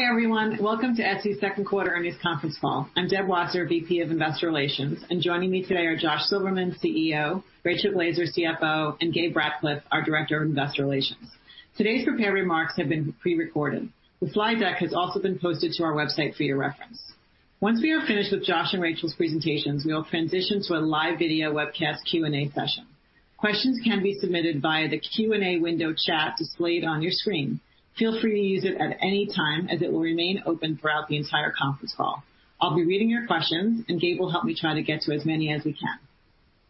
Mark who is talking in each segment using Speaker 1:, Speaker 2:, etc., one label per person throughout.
Speaker 1: Hi, everyone. Welcome to Etsy's second quarter earnings conference call. I'm Deb Wasser, VP of Investor Relations, and joining me today are Josh Silverman, CEO, Rachel Glaser, CFO, and Gabe Ratcliff, our Director of Investor Relations. Today's prepared remarks have been pre-recorded. The slide deck has also been posted to our website for your reference. Once we are finished with Josh and Rachel's presentations, we will transition to a live video webcast Q&A session. Questions can be submitted via the Q&A window chat displayed on your screen. Feel free to use it at any time, as it will remain open throughout the entire conference call. I'll be reading your questions, and Gabe will help me try to get to as many as we can.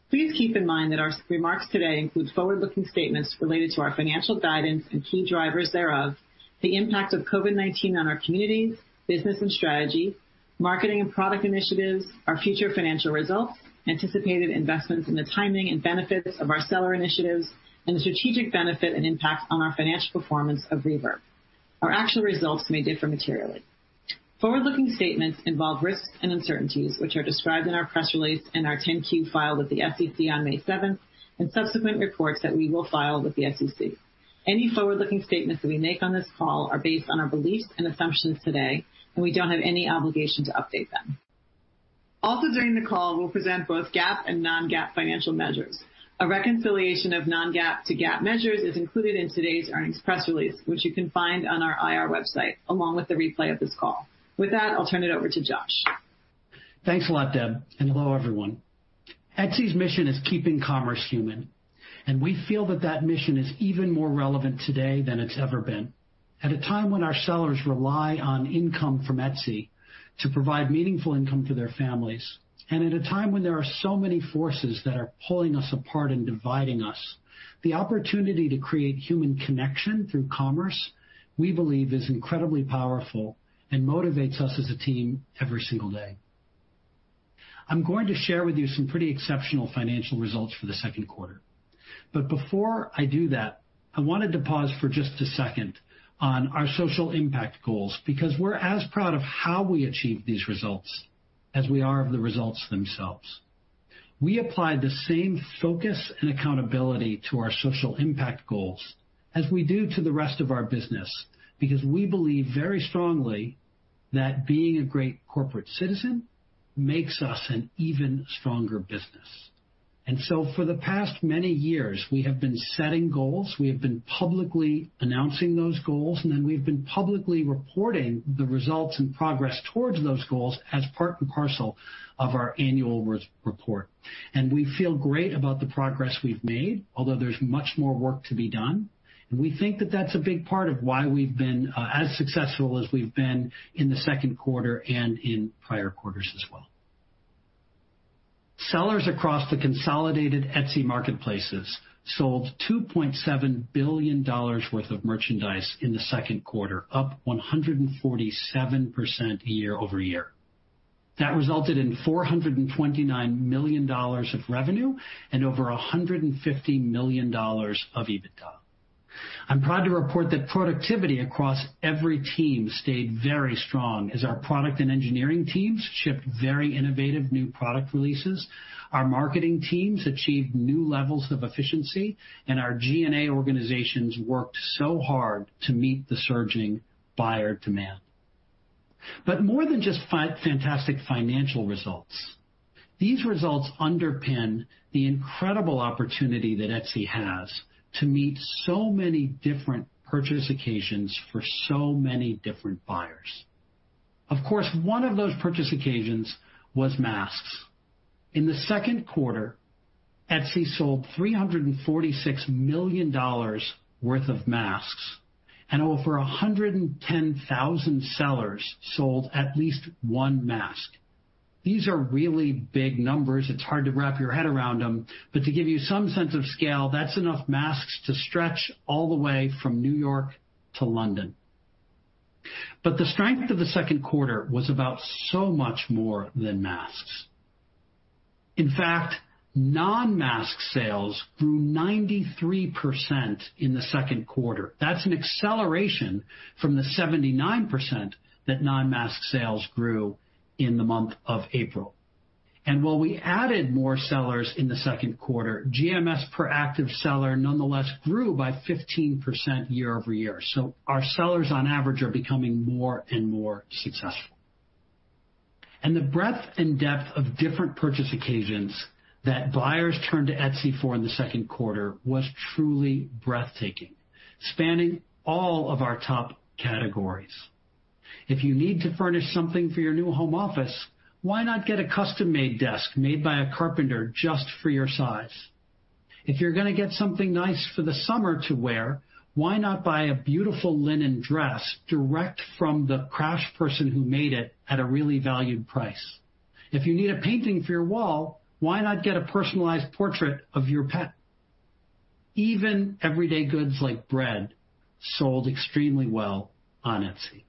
Speaker 1: Please keep in mind that our remarks today include forward-looking statements related to our financial guidance and key drivers thereof, the impact of COVID-19 on our communities, business and strategy, marketing and product initiatives, our future financial results, anticipated investments in the timing and benefits of our seller initiatives, and the strategic benefit and impact on our financial performance of Reverb. Our actual results may differ materially. Forward-looking statements involve risks and uncertainties, which are described in our press release and our 10-Q filed with the SEC on May 7th and subsequent reports that we will file with the SEC. Any forward-looking statements that we make on this call are based on our beliefs and assumptions today, and we don't have any obligation to update them. Also during the call, we'll present both GAAP and non-GAAP financial measures. A reconciliation of non-GAAP to GAAP measures is included in today's earnings press release, which you can find on our IR website, along with the replay of this call. With that, I'll turn it over to Josh.
Speaker 2: Thanks a lot, Deb. Hello, everyone. Etsy's mission is keeping commerce human. We feel that that mission is even more relevant today than it's ever been. At a time when our sellers rely on income from Etsy to provide meaningful income for their families, at a time when there are so many forces that are pulling us apart and dividing us, the opportunity to create human connection through commerce, we believe, is incredibly powerful and motivates us as a team every single day. I'm going to share with you some pretty exceptional financial results for the second quarter. Before I do that, I wanted to pause for just a second on our social impact goals, because we're as proud of how we achieve these results as we are of the results themselves. We apply the same focus and accountability to our social impact goals as we do to the rest of our business, because we believe very strongly that being a great corporate citizen makes us an even stronger business. For the past many years, we have been setting goals, we have been publicly announcing those goals, then we've been publicly reporting the results and progress towards those goals as part and parcel of our annual report. We feel great about the progress we've made, although there's much more work to be done. We think that that's a big part of why we've been as successful as we've been in the second quarter and in prior quarters as well. Sellers across the consolidated Etsy marketplaces sold $2.7 billion worth of merchandise in the second quarter, up 147% year-over-year. That resulted in $429 million of revenue and over $150 million of EBITDA. I'm proud to report that productivity across every team stayed very strong as our product and engineering teams shipped very innovative new product releases, our marketing teams achieved new levels of efficiency, and our G&A organizations worked so hard to meet the surging buyer demand. More than just fantastic financial results, these results underpin the incredible opportunity that Etsy has to meet so many different purchase occasions for so many different buyers. Of course, one of those purchase occasions was masks. In the second quarter, Etsy sold $346 million worth of masks, and over 110,000 sellers sold at least one mask. These are really big numbers. It's hard to wrap your head around them, but to give you some sense of scale, that's enough masks to stretch all the way from New York to London. The strength of the second quarter was about so much more than masks. In fact, non-mask sales grew 93% in the second quarter. That's an acceleration from the 79% that non-mask sales grew in the month of April. While we added more sellers in the second quarter, GMS per active seller nonetheless grew by 15% year-over-year. Our sellers, on average, are becoming more and more successful. The breadth and depth of different purchase occasions that buyers turned to Etsy for in the second quarter was truly breathtaking, spanning all of our top categories. If you need to furnish something for your new home office, why not get a custom-made desk made by a carpenter just for your size? If you're going to get something nice for the summer to wear, why not buy a beautiful linen dress direct from the craftsperson who made it at a really valued price? If you need a painting for your wall, why not get a personalized portrait of your pet? Even everyday goods like bread sold extremely well on Etsy.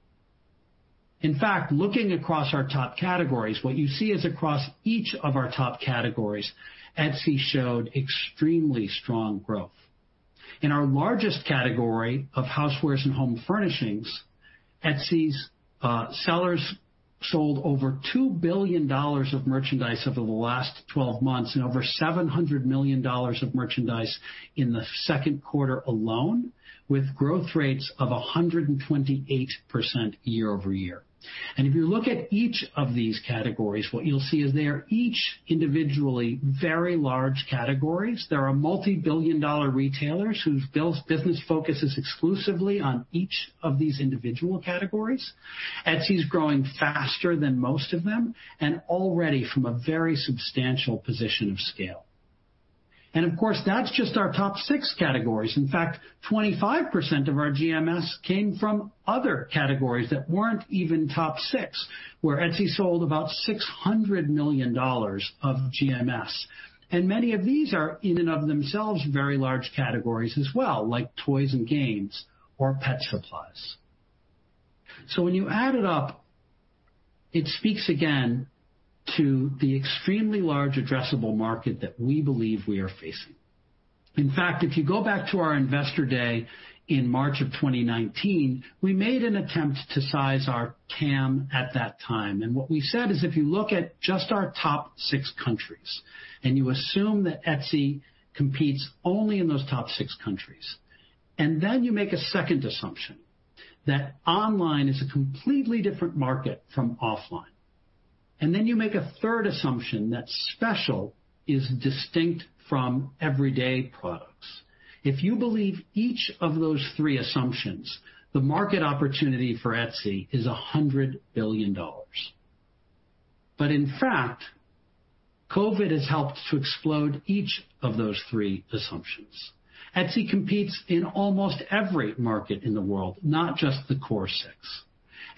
Speaker 2: In fact, looking across our top categories, what you see is across each of our top categories, Etsy showed extremely strong growth. In our largest category of housewares and home furnishings, Etsy's sellers sold over $2 billion of merchandise over the last 12 months and over $700 million of merchandise in the second quarter alone, with growth rates of 128% year-over-year. If you look at each of these categories, what you'll see is they are each individually very large categories. There are multi-billion dollar retailers whose business focus is exclusively on each of these individual categories. Etsy's growing faster than most of them, and already from a very substantial position of scale. Of course, that's just our top six categories. In fact, 25% of our GMS came from other categories that weren't even top six, where Etsy sold about $600 million of GMS. Many of these are, in and of themselves, very large categories as well, like toys and games or pet supplies. When you add it up, it speaks again to the extremely large addressable market that we believe we are facing. In fact, if you go back to our investor day in March of 2019, we made an attempt to size our TAM at that time. What we said is if you look at just our top six countries, and you assume that Etsy competes only in those top six countries, then you make a second assumption, that online is a completely different market from offline, then you make a third assumption that special is distinct from everyday products. If you believe each of those three assumptions, the market opportunity for Etsy is $100 billion. In fact, COVID has helped to explode each of those three assumptions. Etsy competes in almost every market in the world, not just the core six.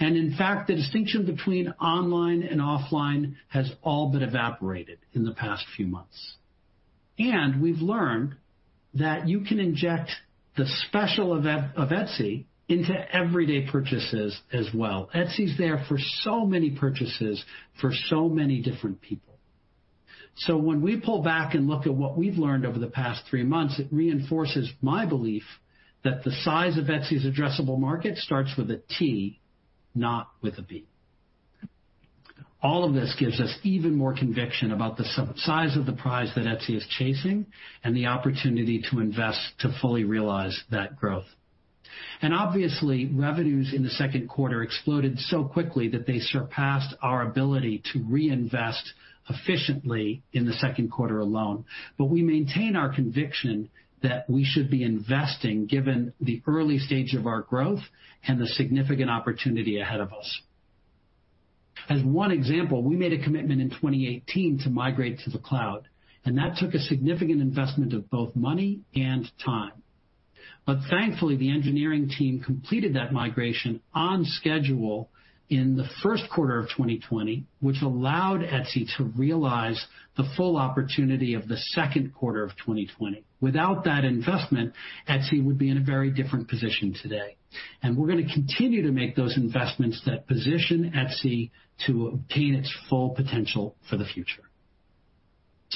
Speaker 2: In fact, the distinction between online and offline has all but evaporated in the past few months. We've learned that you can inject the special of Etsy into everyday purchases as well. Etsy's there for so many purchases for so many different people. When we pull back and look at what we've learned over the past three months, it reinforces my belief that the size of Etsy's addressable market starts with a T, not with a B. All of this gives us even more conviction about the size of the prize that Etsy is chasing and the opportunity to invest to fully realize that growth. Obviously, revenues in the second quarter exploded so quickly that they surpassed our ability to reinvest efficiently in the second quarter alone. We maintain our conviction that we should be investing given the early stage of our growth and the significant opportunity ahead of us. As one example, we made a commitment in 2018 to migrate to the cloud, and that took a significant investment of both money and time. Thankfully, the engineering team completed that migration on schedule in the first quarter of 2020, which allowed Etsy to realize the full opportunity of the second quarter of 2020. Without that investment, Etsy would be in a very different position today. We're going to continue to make those investments that position Etsy to obtain its full potential for the future.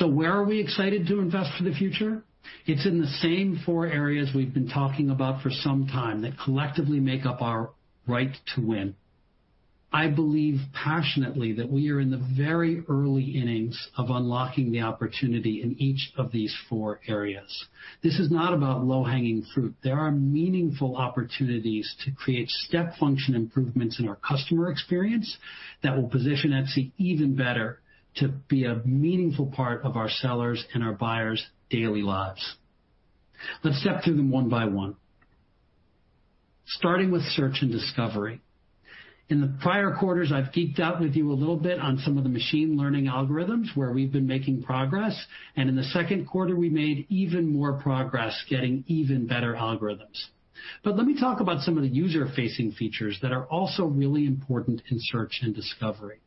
Speaker 2: Where are we excited to invest for the future? It's in the same four areas we've been talking about for some time that collectively make up our right to win. I believe passionately that we are in the very early innings of unlocking the opportunity in each of these four areas. This is not about low-hanging fruit. There are meaningful opportunities to create step function improvements in our customer experience that will position Etsy even better to be a meaningful part of our sellers' and our buyers' daily lives. Let's step through them one by one. Starting with search and discovery. In the prior quarters, I've geeked out with you a little bit on some of the machine learning algorithms where we've been making progress, and in the second quarter, we made even more progress getting even better algorithms. Let me talk about some of the user-facing features that are also really important in search and discovery.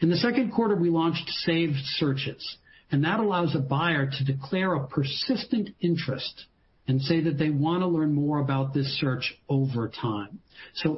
Speaker 2: In the second quarter, we launched saved searches, and that allows a buyer to declare a persistent interest and say that they want to learn more about this search over time.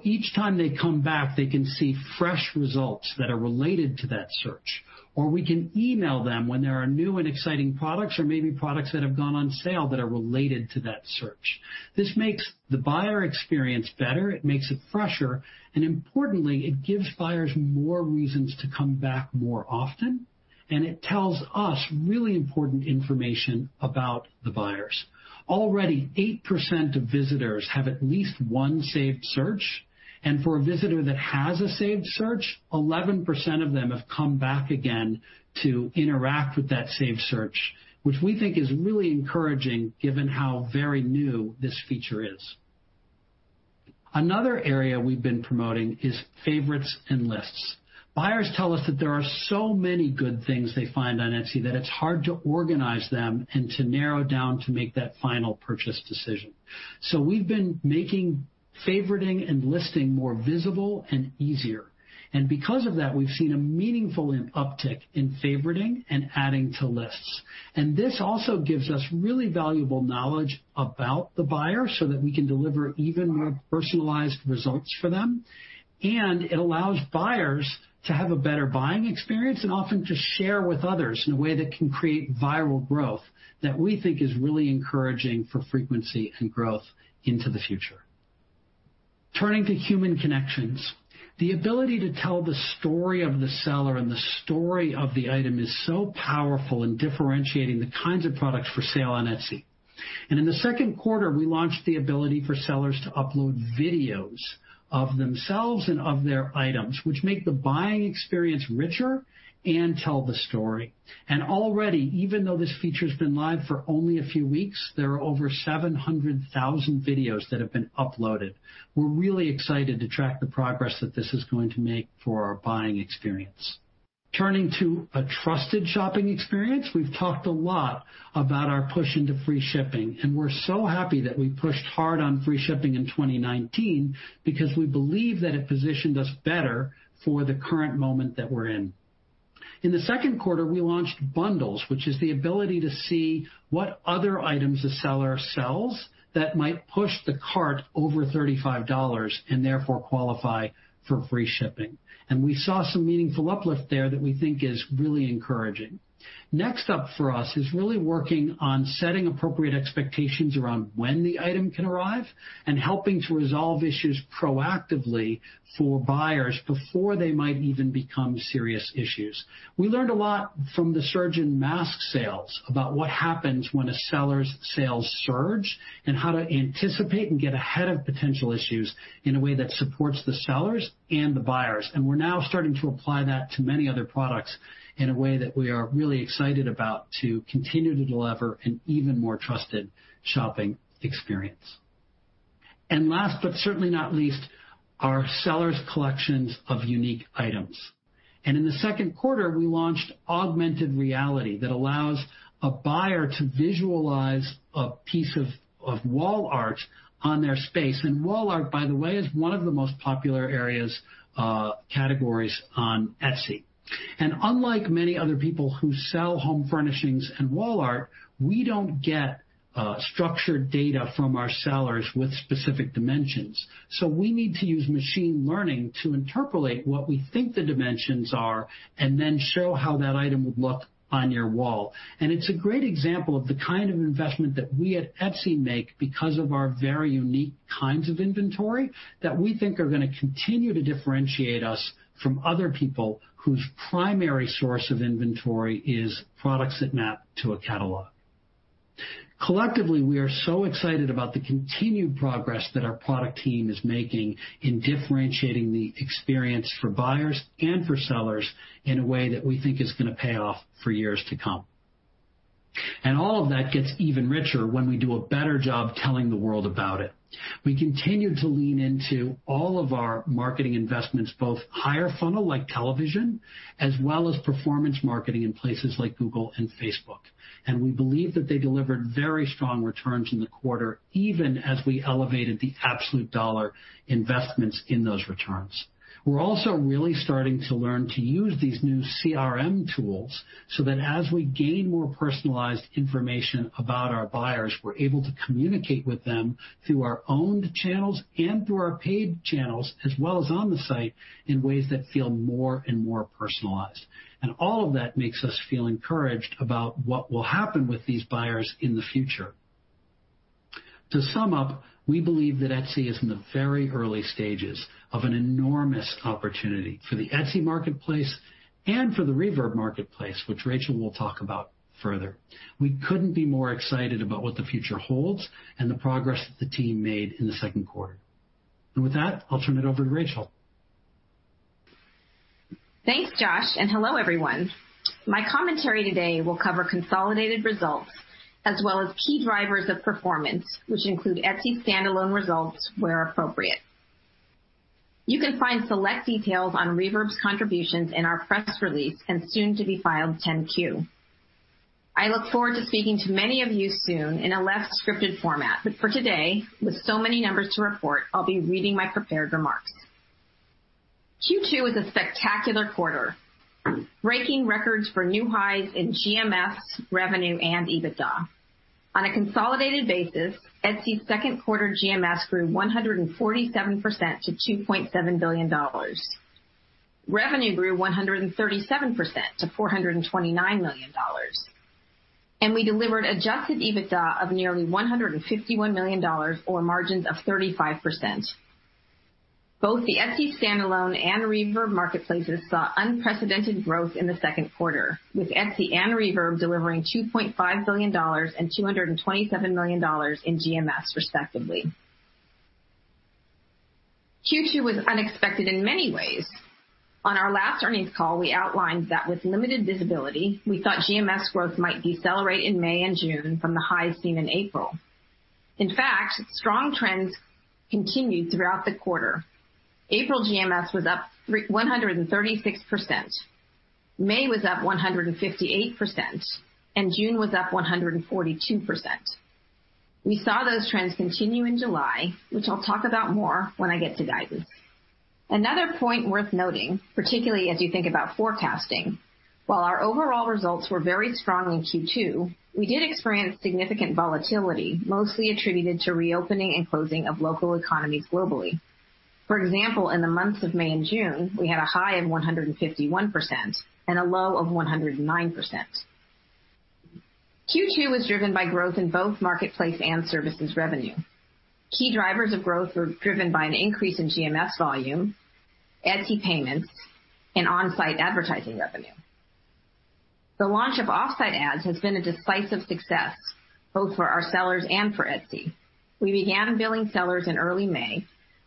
Speaker 2: Each time they come back, they can see fresh results that are related to that search, or we can email them when there are new and exciting products or maybe products that have gone on sale that are related to that search. This makes the buyer experience better, it makes it fresher, and importantly, it gives buyers more reasons to come back more often, and it tells us really important information about the buyers. Already, 8% of visitors have at least one saved search, and for a visitor that has a saved search, 11% of them have come back again to interact with that saved search, which we think is really encouraging given how very new this feature is. Another area we've been promoting is favorites and lists. Buyers tell us that there are so many good things they find on Etsy that it's hard to organize them and to narrow down to make that final purchase decision. We've been making favoriting and listing more visible and easier. Because of that, we've seen a meaningful uptick in favoriting and adding to lists. This also gives us really valuable knowledge about the buyer so that we can deliver even more personalized results for them. It allows buyers to have a better buying experience and often to share with others in a way that can create viral growth that we think is really encouraging for frequency and growth into the future. Turning to human connections, the ability to tell the story of the seller and the story of the item is so powerful in differentiating the kinds of products for sale on Etsy. In the second quarter, we launched the ability for sellers to upload videos of themselves and of their items, which make the buying experience richer and tell the story. Already, even though this feature's been live for only a few weeks, there are over 700,000 videos that have been uploaded. We're really excited to track the progress that this is going to make for our buying experience. Turning to a trusted shopping experience, we've talked a lot about our push into free shipping, and we're so happy that we pushed hard on free shipping in 2019 because we believe that it positioned us better for the current moment that we're in. In the second quarter, we launched Bundles, which is the ability to see what other items a seller sells that might push the cart over $35, and therefore qualify for free shipping. We saw some meaningful uplift there that we think is really encouraging. Next up for us is really working on setting appropriate expectations around when the item can arrive and helping to resolve issues proactively for buyers before they might even become serious issues. We learned a lot from the surge in mask sales about what happens when a seller's sales surge and how to anticipate and get ahead of potential issues in a way that supports the sellers and the buyers. We're now starting to apply that to many other products in a way that we are really excited about to continue to deliver an even more trusted shopping experience. Last, but certainly not least, our sellers' collections of unique items. In the second quarter, we launched augmented reality that allows a buyer to visualize a piece of wall art on their space. Wall art, by the way, is one of the most popular areas, categories on Etsy. Unlike many other people who sell home furnishings and wall art, we don't get structured data from our sellers with specific dimensions. We need to use machine learning to interpolate what we think the dimensions are and then show how that item would look on your wall. It's a great example of the kind of investment that we at Etsy make because of our very unique kinds of inventory that we think are going to continue to differentiate us from other people whose primary source of inventory is products that map to a catalog. Collectively, we are so excited about the continued progress that our product team is making in differentiating the experience for buyers and for sellers in a way that we think is going to pay off for years to come. All of that gets even richer when we do a better job telling the world about it. We continue to lean into all of our marketing investments, both higher funnel like television, as well as performance marketing in places like Google and Facebook. We believe that they delivered very strong returns in the quarter, even as we elevated the absolute dollar investments in those returns. We're also really starting to learn to use these new CRM tools so that as we gain more personalized information about our buyers, we're able to communicate with them through our owned channels and through our paid channels, as well as on the site in ways that feel more and more personalized. All of that makes us feel encouraged about what will happen with these buyers in the future. To sum up, we believe that Etsy is in the very early stages of an enormous opportunity for the Etsy marketplace and for the Reverb marketplace, which Rachel will talk about further. We couldn't be more excited about what the future holds and the progress that the team made in the second quarter. With that, I'll turn it over to Rachel.
Speaker 3: Thanks, Josh. Hello, everyone. My commentary today will cover consolidated results as well as key drivers of performance, which include Etsy standalone results where appropriate. You can find select details on Reverb's contributions in our press release and soon-to-be filed 10-Q. I look forward to speaking to many of you soon in a less scripted format, but for today, with so many numbers to report, I'll be reading my prepared remarks. Q2 was a spectacular quarter, breaking records for new highs in GMS, revenue and EBITDA. On a consolidated basis, Etsy's second quarter GMS grew 147% to $2.7 billion. Revenue grew 137% to $429 million. We delivered adjusted EBITDA of nearly $151 million or margins of 35%. Both the Etsy standalone and Reverb marketplaces saw unprecedented growth in the second quarter, with Etsy and Reverb delivering $2.5 billion and $227 million in GMS respectively. Q2 was unexpected in many ways. On our last earnings call, we outlined that with limited visibility, we thought GMS growth might decelerate in May and June from the highs seen in April. In fact, strong trends continued throughout the quarter. April GMS was up 136%, May was up 158%, and June was up 142%. We saw those trends continue in July, which I'll talk about more when I get to guidance. Another point worth noting, particularly as you think about forecasting, while our overall results were very strong in Q2, we did experience significant volatility, mostly attributed to reopening and closing of local economies globally. For example, in the months of May and June, we had a high of 151% and a low of 109%. Q2 was driven by growth in both marketplace and services revenue. Key drivers of growth were driven by an increase in GMS volume, Etsy Payments, and on-site advertising revenue. The launch of Offsite Ads has been a decisive success both for our sellers and for Etsy. We began billing sellers in early May,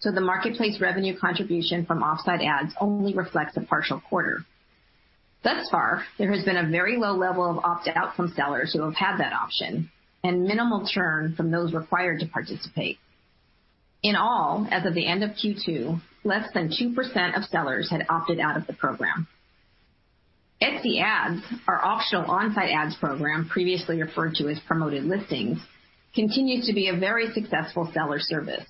Speaker 3: the marketplace revenue contribution from Offsite Ads only reflects a partial quarter. Thus far, there has been a very low level of opt-out from sellers who have had that option and minimal churn from those required to participate. In all, as of the end of Q2, less than 2% of sellers had opted out of the program. Etsy Ads, our optional on-site ads program, previously referred to as Promoted Listings, continues to be a very successful seller service.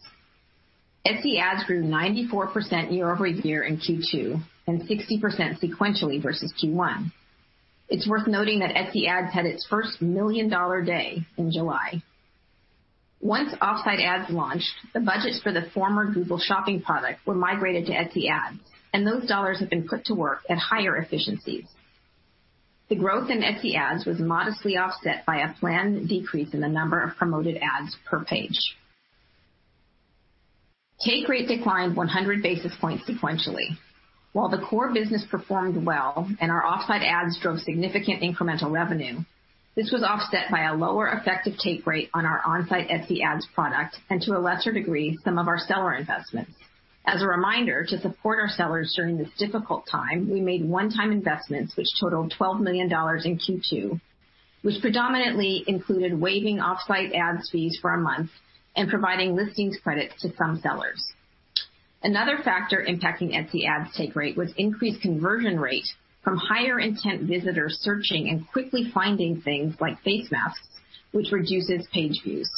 Speaker 3: Etsy Ads grew 94% year-over-year in Q2 and 60% sequentially versus Q1. It's worth noting that Etsy Ads had its first million-dollar day in July. Once Offsite Ads launched, the budgets for the former Google Shopping product were migrated to Etsy Ads, and those dollars have been put to work at higher efficiencies. The growth in Etsy Ads was modestly offset by a planned decrease in the number of promoted ads per page. Take rate declined 100 basis points sequentially. While the core business performed well and our Offsite Ads drove significant incremental revenue, this was offset by a lower effective take rate on our on-site Etsy Ads product and, to a lesser degree, some of our seller investments. As a reminder, to support our sellers during this difficult time, we made one-time investments which totaled $12 million in Q2, which predominantly included waiving Offsite Ads fees for a month and providing listings credits to some sellers. Another factor impacting Etsy Ads take rate was increased conversion rate from higher intent visitors searching and quickly finding things like face masks, which reduces page views.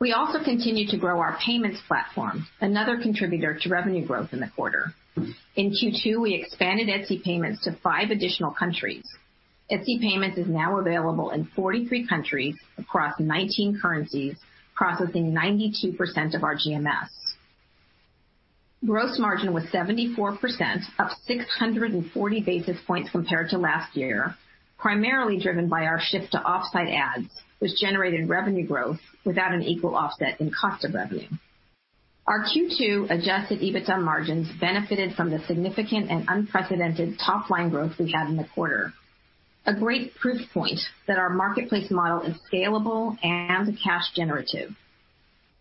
Speaker 3: We also continued to grow our payments platform, another contributor to revenue growth in the quarter. In Q2, we expanded Etsy Payments to five additional countries. Etsy Payments is now available in 43 countries across 19 currencies, processing 92% of our GMS. Gross margin was 74%, up 640 basis points compared to last year, primarily driven by our shift to Offsite Ads, which generated revenue growth without an equal offset in cost of revenue. Our Q2 adjusted EBITDA margins benefited from the significant and unprecedented top-line growth we had in the quarter, a great proof point that our marketplace model is scalable and cash generative.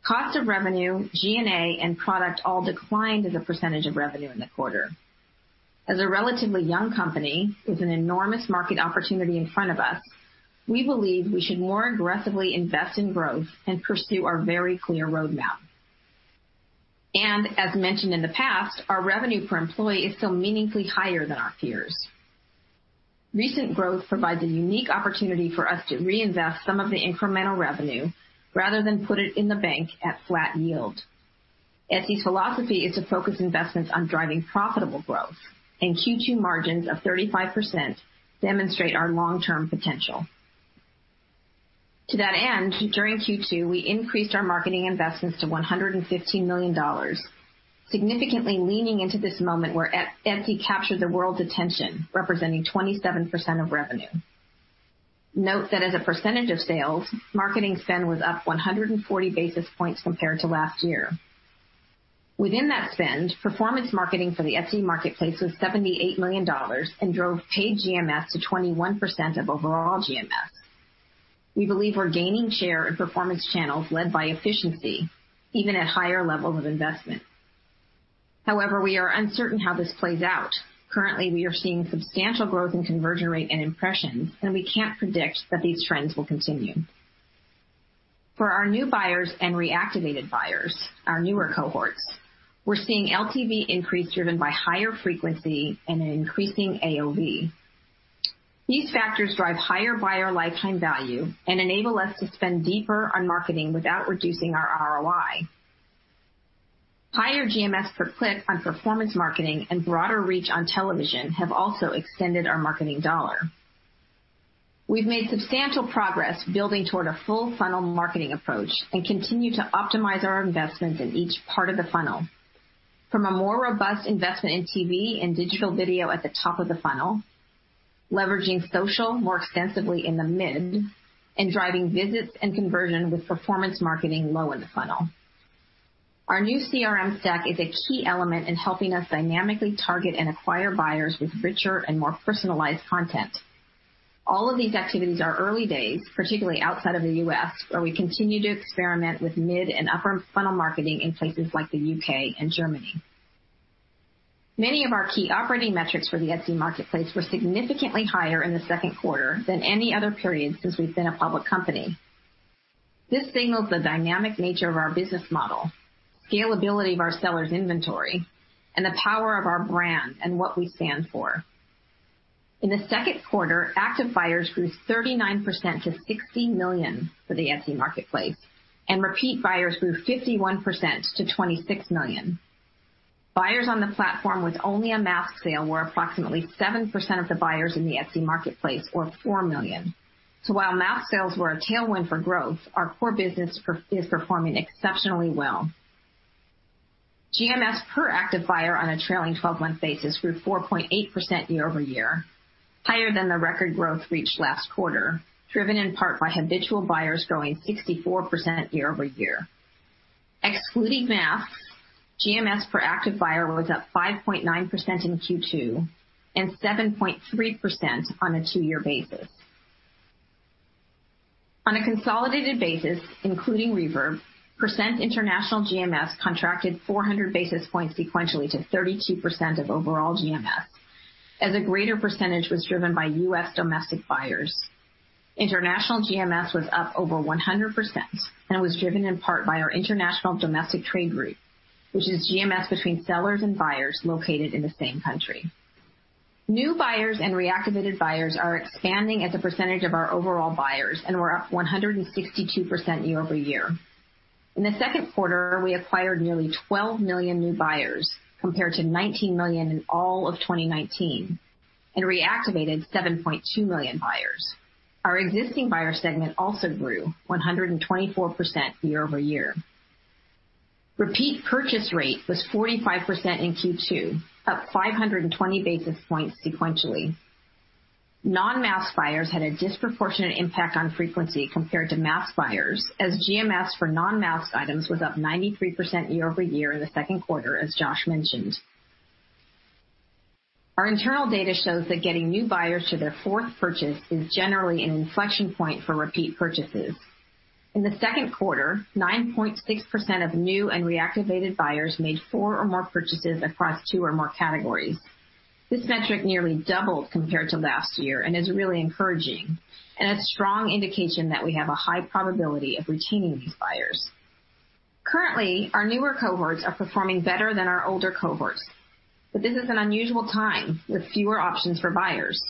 Speaker 3: Cost of revenue, G&A, and product all declined as a percentage of revenue in the quarter. As a relatively young company with an enormous market opportunity in front of us, we believe we should more aggressively invest in growth and pursue our very clear roadmap. As mentioned in the past, our revenue per employee is still meaningfully higher than our peers. Recent growth provides a unique opportunity for us to reinvest some of the incremental revenue rather than put it in the bank at flat yield. Etsy's philosophy is to focus investments on driving profitable growth, and Q2 margins of 35% demonstrate our long-term potential. To that end, during Q2, we increased our marketing investments to $115 million, significantly leaning into this moment where Etsy captured the world's attention, representing 27% of revenue. Note that as a percentage of sales, marketing spend was up 140 basis points compared to last year. Within that spend, performance marketing for the Etsy marketplace was $78 million and drove paid GMS to 21% of overall GMS. We believe we're gaining share in performance channels led by efficiency even at higher levels of investment. However, we are uncertain how this plays out. Currently, we are seeing substantial growth in conversion rate and impressions, and we can't predict that these trends will continue. For our new buyers and reactivated buyers, our newer cohorts, we're seeing LTV increase driven by higher frequency and an increasing AOV. These factors drive higher buyer lifetime value and enable us to spend deeper on marketing without reducing our ROI. Higher GMS per click on performance marketing and broader reach on television have also extended our marketing dollar. We've made substantial progress building toward a full funnel marketing approach and continue to optimize our investments in each part of the funnel. From a more robust investment in TV and digital video at the top of the funnel, leveraging social more extensively in the mid, and driving visits and conversion with performance marketing low in the funnel. Our new CRM stack is a key element in helping us dynamically target and acquire buyers with richer and more personalized content. All of these activities are early days, particularly outside of the U.S., where we continue to experiment with mid and upper funnel marketing in places like the U.K. and Germany. Many of our key operating metrics for the Etsy marketplace were significantly higher in the second quarter than any other period since we've been a public company. This signals the dynamic nature of our business model, scalability of our sellers' inventory, and the power of our brand and what we stand for. In the second quarter, active buyers grew 39% to 60 million for the Etsy marketplace, and repeat buyers grew 51% to 26 million. Buyers on the platform with only a mask sale were approximately 7% of the buyers in the Etsy marketplace, or 4 million. While mask sales were a tailwind for growth, our core business is performing exceptionally well. GMS per active buyer on a trailing 12-month basis grew 4.8% year-over-year, higher than the record growth reached last quarter, driven in part by habitual buyers growing 64% year-over-year. Excluding masks, GMS per active buyer was up 5.9% in Q2, and 7.3% on a two-year basis. On a consolidated basis, including Reverb, percent international GMS contracted 400 basis points sequentially to 32% of overall GMS, as a greater percentage was driven by U.S. domestic buyers. International GMS was up over 100%, and was driven in part by our international domestic trade route, which is GMS between sellers and buyers located in the same country. New buyers and reactivated buyers are expanding as a percentage of our overall buyers, and we're up 162% year-over-year. In the second quarter, we acquired nearly 12 million new buyers, compared to 19 million in all of 2019, and reactivated 7.2 million buyers. Our existing buyer segment also grew 124% year-over-year. Repeat purchase rate was 45% in Q2, up 520 basis points sequentially. Non-mask buyers had a disproportionate impact on frequency compared to mask buyers, as GMS for non-mask items was up 93% year-over-year in the second quarter, as Josh mentioned. Our internal data shows that getting new buyers to their fourth purchase is generally an inflection point for repeat purchases. In the second quarter, 9.6% of new and reactivated buyers made four or more purchases across two or more categories. This metric nearly doubled compared to last year and is really encouraging, and a strong indication that we have a high probability of retaining these buyers. Currently, our newer cohorts are performing better than our older cohorts, but this is an unusual time with fewer options for buyers.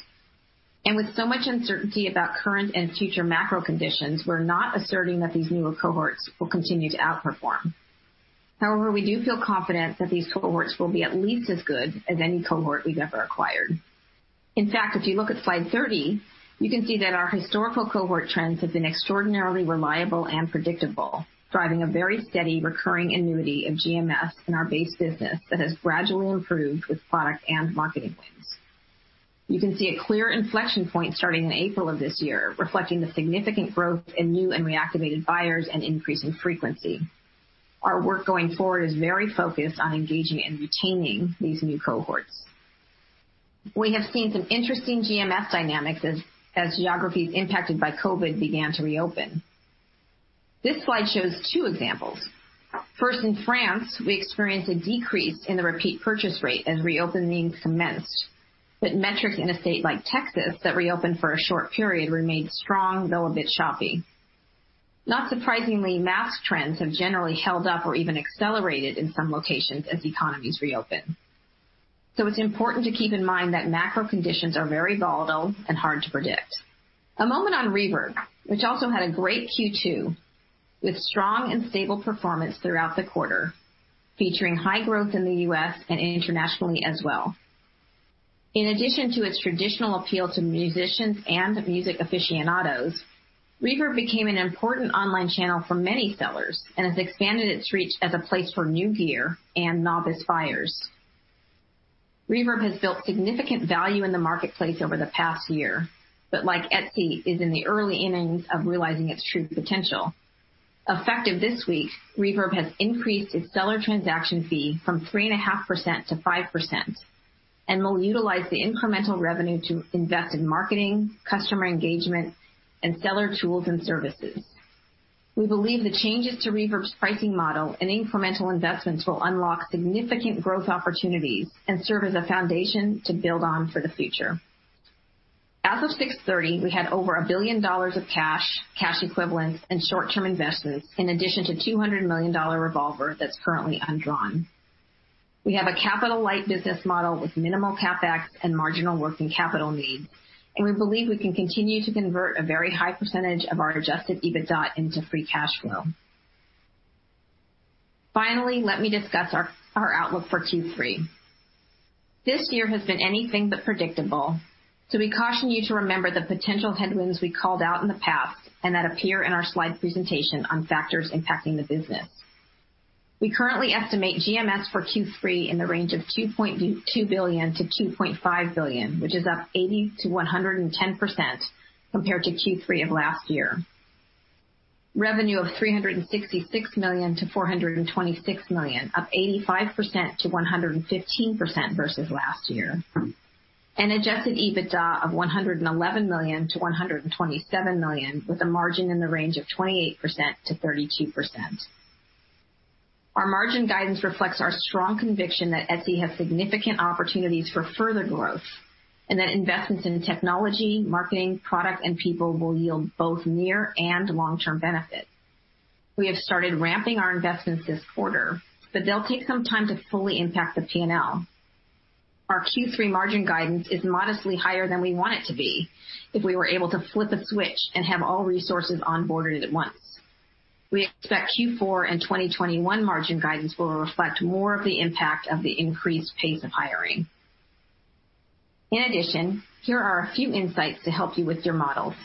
Speaker 3: And with so much uncertainty about current and future macro conditions, we're not asserting that these newer cohorts will continue to outperform. However, we do feel confident that these cohorts will be at least as good as any cohort we've ever acquired. In fact, if you look at slide 30, you can see that our historical cohort trends have been extraordinarily reliable and predictable, driving a very steady recurring annuity of GMS in our base business that has gradually improved with product and marketing wins. You can see a clear inflection point starting in April of this year, reflecting the significant growth in new and reactivated buyers and increasing frequency. Our work going forward is very focused on engaging and retaining these new cohorts. We have seen some interesting GMS dynamics as geographies impacted by COVID began to reopen. This slide shows two examples. First, in France, we experienced a decrease in the repeat purchase rate as reopenings commenced. Metrics in a state like Texas that reopened for a short period remained strong, though a bit choppy. Not surprisingly, mask trends have generally held up or even accelerated in some locations as economies reopen. It's important to keep in mind that macro conditions are very volatile and hard to predict. A moment on Reverb, which also had a great Q2, with strong and stable performance throughout the quarter, featuring high growth in the U.S. and internationally as well. In addition to its traditional appeal to musicians and music aficionados, Reverb became an important online channel for many sellers and has expanded its reach as a place for new gear and novice buyers. Reverb has built significant value in the marketplace over the past year, but like Etsy, is in the early innings of realizing its true potential. Effective this week, Reverb has increased its seller transaction fee from 3.5% to 5%, and will utilize the incremental revenue to invest in marketing, customer engagement, and seller tools and services. We believe the changes to Reverb's pricing model and incremental investments will unlock significant growth opportunities and serve as a foundation to build on for the future. As of June 30, we had over $1 billion of cash equivalents, and short-term investments, in addition to a $200 million revolver that's currently undrawn. We have a capital-light business model with minimal CapEx and marginal working capital needs, and we believe we can continue to convert a very high percentage of our adjusted EBITDA into free cash flow. Finally, let me discuss our outlook for Q3. This year has been anything but predictable. We caution you to remember the potential headwinds we called out in the past and that appear in our slide presentation on factors impacting the business. We currently estimate GMS for Q3 in the range of $2.2 billion-$2.5 billion, which is up 80%-110% compared to Q3 of last year. Revenue of $366 million-$426 million, up 85%-115% versus last year, and adjusted EBITDA of $111 million-$127 million, with a margin in the range of 28%-32%. Our margin guidance reflects our strong conviction that Etsy has significant opportunities for further growth, and that investments in technology, marketing, product, and people will yield both near and long-term benefits. We have started ramping our investments this quarter, but they'll take some time to fully impact the P&L. Our Q3 margin guidance is modestly higher than we want it to be if we were able to flip a switch and have all resources onboarded at once. We expect Q4 and 2021 margin guidance will reflect more of the impact of the increased pace of hiring. In addition, here are a few insights to help you with your models.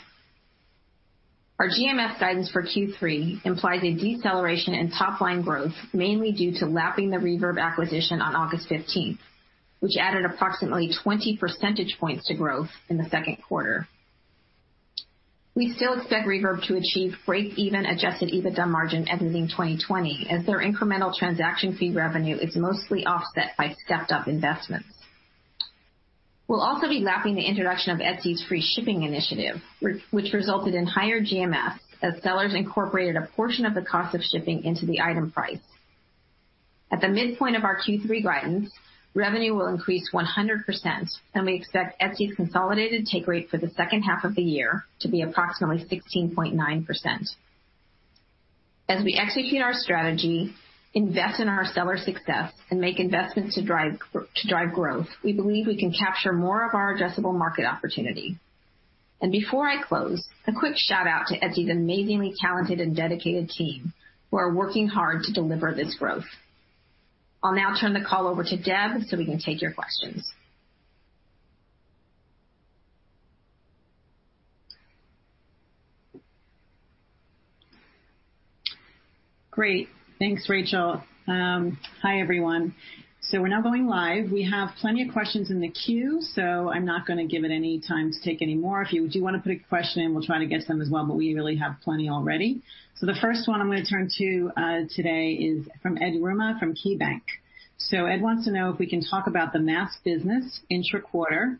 Speaker 3: Our GMS guidance for Q3 implies a deceleration in top-line growth, mainly due to lapping the Reverb acquisition on August 15th, which added approximately 20 percentage points to growth in the second quarter. We still expect Reverb to achieve breakeven adjusted EBITDA margin exiting 2020, as their incremental transaction fee revenue is mostly offset by stepped-up investments. We'll also be lapping the introduction of Etsy's free shipping initiative, which resulted in higher GMS as sellers incorporated a portion of the cost of shipping into the item price. At the midpoint of our Q3 guidance, revenue will increase 100%, and we expect Etsy's consolidated take rate for the second half of the year to be approximately 16.9%. As we execute our strategy, invest in our seller success, and make investments to drive growth, we believe we can capture more of our addressable market opportunity. Before I close, a quick shout-out to Etsy's amazingly talented and dedicated team, who are working hard to deliver this growth. I'll now turn the call over to Deb so we can take your questions.
Speaker 1: Great. Thanks, Rachel. Hi, everyone. We're now going live. We have plenty of questions in the queue, so I'm not going to give it any time to take any more. If you do want to put a question in, we'll try to get to them as well, but we really have plenty already. The first one I'm going to turn to today is from Ed Yruma from KeyBanc. Ed wants to know if we can talk about the mask business intra-quarter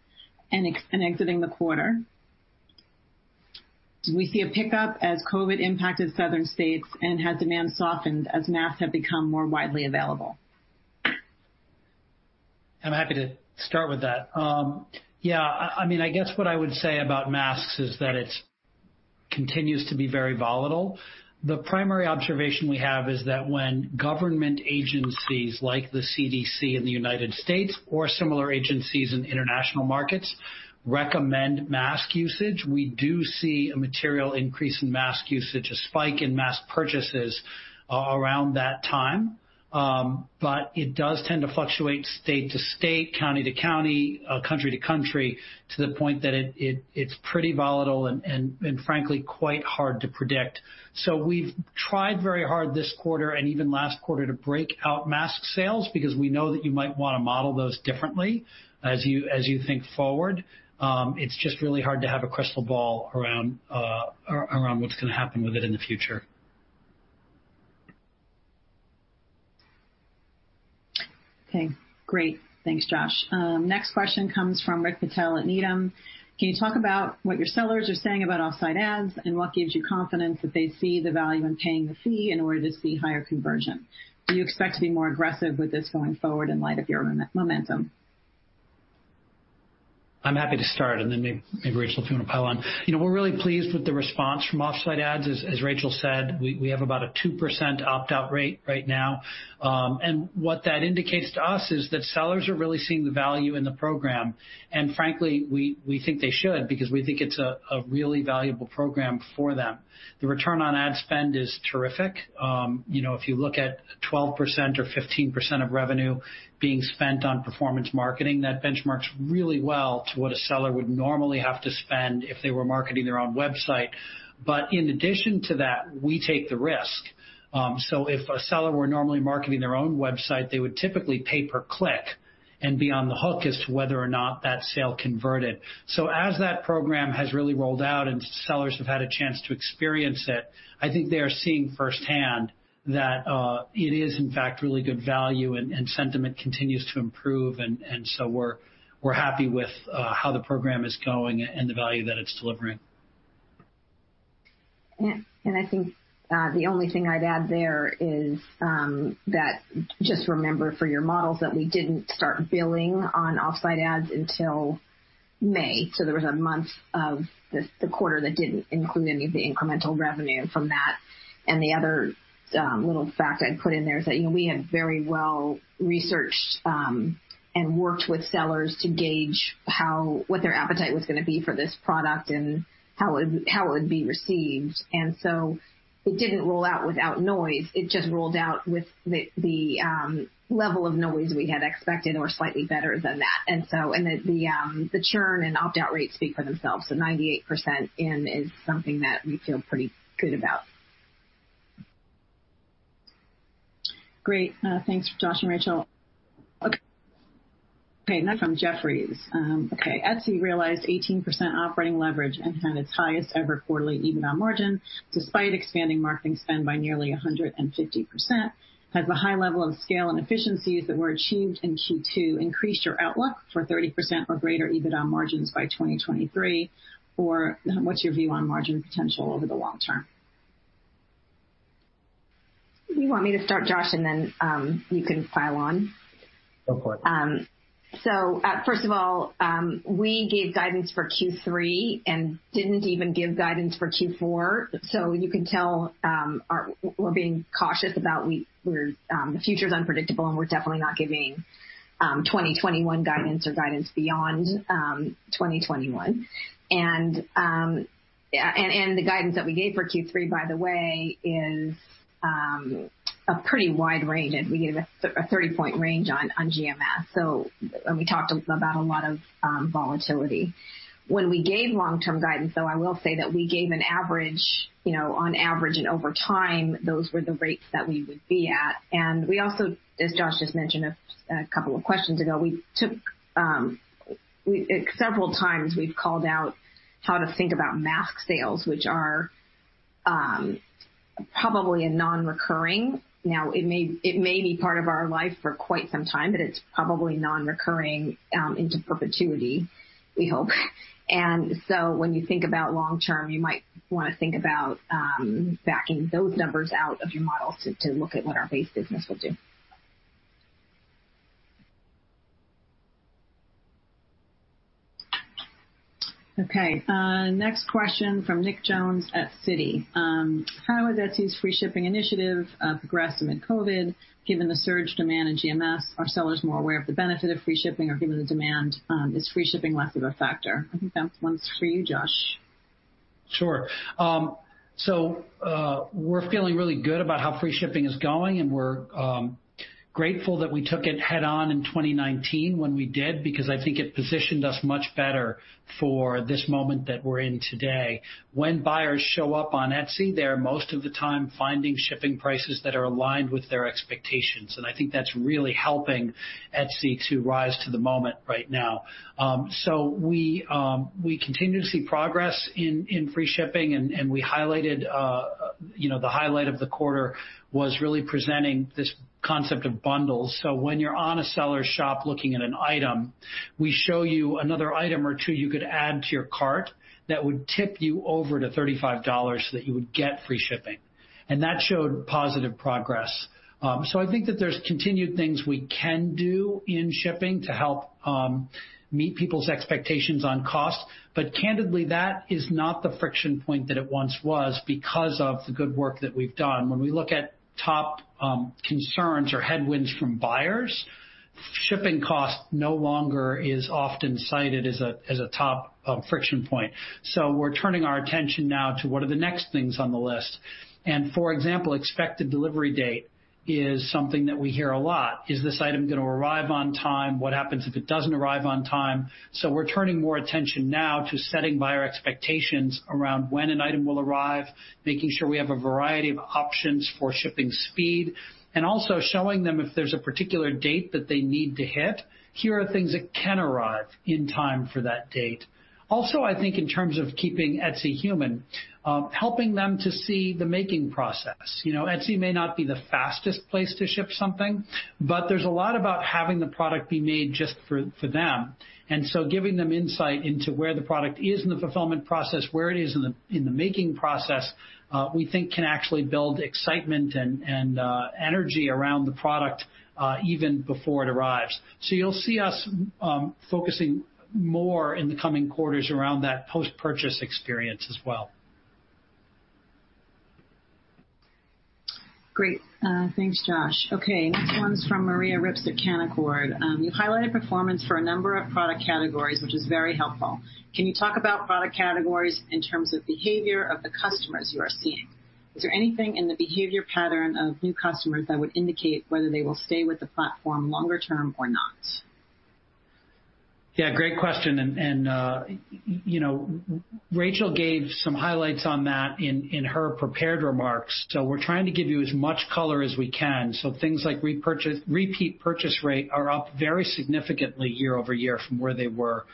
Speaker 1: and exiting the quarter. Do we see a pickup as COVID impacted southern states, and has demand softened as masks have become more widely available?
Speaker 2: I'm happy to start with that. Yeah, I guess what I would say about masks is that it continues to be very volatile. The primary observation we have is that when government agencies like the CDC in the U.S. or similar agencies in international markets recommend mask usage, we do see a material increase in mask usage, a spike in mask purchases around that time. It does tend to fluctuate state to state, county to county, country to country, to the point that it's pretty volatile and frankly, quite hard to predict. We've tried very hard this quarter and even last quarter, to break out mask sales, because we know that you might want to model those differently as you think forward. It's just really hard to have a crystal ball around what's going to happen with it in the future.
Speaker 1: Okay, great. Thanks, Josh. Next question comes from Rick Patel at Needham. Can you talk about what your sellers are saying about Offsite Ads and what gives you confidence that they see the value in paying the fee in order to see higher conversion? Do you expect to be more aggressive with this going forward in light of your momentum?
Speaker 2: I'm happy to start and then maybe, Rachel, if you want to pile on. We're really pleased with the response from Offsite Ads. As Rachel said, we have about a 2% opt-out rate right now, and what that indicates to us is that sellers are really seeing the value in the program. Frankly, we think they should, because we think it's a really valuable program for them. The return on ad spend is terrific. If you look at 12% or 15% of revenue being spent on performance marketing, that benchmarks really well to what a seller would normally have to spend if they were marketing their own website. In addition to that, we take the risk. If a seller were normally marketing their own website, they would typically pay per click and be on the hook as to whether or not that sale converted. As that program has really rolled out and sellers have had a chance to experience it, I think they are seeing firsthand that it is, in fact, really good value, and sentiment continues to improve. We're happy with how the program is going and the value that it's delivering.
Speaker 3: Yeah, I think the only thing I'd add there is that just remember for your models that we didn't start billing on Offsite Ads until May. There was a month of the quarter that didn't include any of the incremental revenue from that. The other little fact I'd put in there is that we have very well researched and worked with sellers to gauge what their appetite was going to be for this product and how it would be received. It didn't roll out without noise. It just rolled out with the level of noise we had expected or slightly better than that. The churn and opt-out rates speak for themselves. 98% in is something that we feel pretty good about.
Speaker 1: Great. Thanks, Josh and Rachel. Next from Jefferies. Etsy realized 18% operating leverage and had its highest-ever quarterly EBITDA margin despite expanding marketing spend by nearly 150%. Has the high level of scale and efficiencies that were achieved in Q2 increased your outlook for 30% or greater EBITDA margins by 2023? What's your view on margin potential over the long term?
Speaker 3: You want me to start, Josh, and then you can pile on?
Speaker 2: Go for it.
Speaker 3: First of all, we gave guidance for Q3 and didn't even give guidance for Q4. You can tell we're being cautious about, the future's unpredictable, and we're definitely not giving 2021 guidance or guidance beyond 2021. The guidance that we gave for Q3, by the way, is a pretty wide range, and we gave a 30-point range on GMS. When we talked about a lot of volatility. When we gave long-term guidance, though, I will say that we gave an average, on average and over time, those were the rates that we would be at. We also, as Josh just mentioned a couple of questions ago, several times, we've called out how to think about mask sales, which are probably a non-recurring. Now, it may be part of our life for quite some time, but it's probably non-recurring into perpetuity, we hope. When you think about long-term, you might want to think about backing those numbers out of your model to look at what our base business will do.
Speaker 1: Okay. Next question from Nicholas Jones at Citi. How has Etsy's free shipping initiative progressed amid COVID, given the surge demand in GMS? Are sellers more aware of the benefit of free shipping, or given the demand, is free shipping less of a factor? I think that one's for you, Josh.
Speaker 2: Sure. We're feeling really good about how free shipping is going, and we're grateful that we took it head-on in 2019 when we did, because I think it positioned us much better for this moment that we're in today. When buyers show up on Etsy, they're most of the time finding shipping prices that are aligned with their expectations. I think that's really helping Etsy to rise to the moment right now. We continue to see progress in free shipping, and the highlight of the quarter was really presenting this concept of Bundles. When you're on a seller's shop looking at an item, we show you another item or two you could add to your cart that would tip you over to $35 that you would get free shipping. That showed positive progress. I think that there's continued things we can do in shipping to help meet people's expectations on cost. Candidly, that is not the friction point that it once was because of the good work that we've done. When we look at top concerns or headwinds from buyers, shipping cost no longer is often cited as a top friction point. We're turning our attention now to what are the next things on the list. For example, expected delivery date is something that we hear a lot. Is this item going to arrive on time? What happens if it doesn't arrive on time? We're turning more attention now to setting buyer expectations around when an item will arrive, making sure we have a variety of options for shipping speed, and also showing them if there's a particular date that they need to hit, here are things that can arrive in time for that date. I think in terms of keeping Etsy human, helping them to see the making process. Etsy may not be the fastest place to ship something, but there's a lot about having the product be made just for them. Giving them insight into where the product is in the fulfillment process, where it is in the making process, we think can actually build excitement and energy around the product even before it arrives. You'll see us focusing more in the coming quarters around that post-purchase experience as well.
Speaker 1: Great. Thanks, Josh. Okay, next one's from Maria Ripps at Canaccord. You've highlighted performance for a number of product categories, which is very helpful. Can you talk about product categories in terms of behavior of the customers you are seeing? Is there anything in the behavior pattern of new customers that would indicate whether they will stay with the platform longer term or not?
Speaker 2: Yeah, great question, and Rachel gave some highlights on that in her prepared remarks. We're trying to give you as much color as we can. Things like repeat purchase rate are up very significantly year-over-year from where they were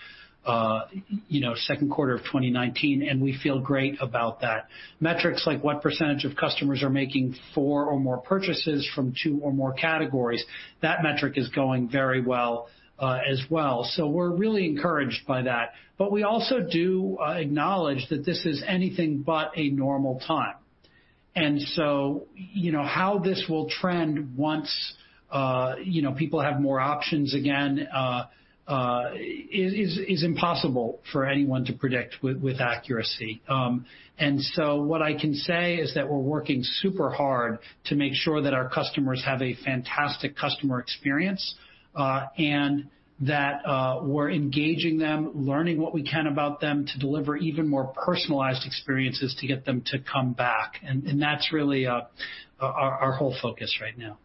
Speaker 2: second quarter of 2019, and we feel great about that. Metrics like what percentage of customers are making four or more purchases from two or more categories, that metric is going very well as well. We're really encouraged by that. We also do acknowledge that this is anything but a normal time. How this will trend once people have more options again is impossible for anyone to predict with accuracy. What I can say is that we're working super hard to make sure that our customers have a fantastic customer experience, and that we're engaging them, learning what we can about them to deliver even more personalized experiences to get them to come back. That's really our whole focus right now.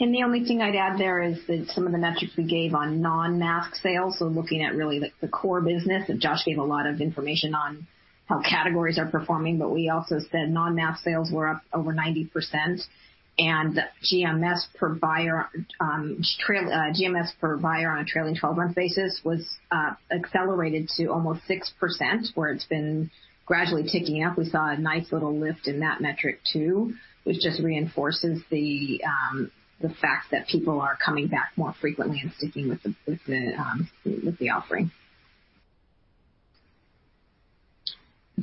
Speaker 3: The only thing I'd add there is that some of the metrics we gave on non-mask sales, looking at really the core business. Josh gave a lot of information on how categories are performing. We also said non-mask sales were up over 90%. GMS per buyer on a trailing 12-month basis was accelerated to almost 6%, where it's been gradually ticking up. We saw a nice little lift in that metric, too, which just reinforces the fact that people are coming back more frequently and sticking with the offering.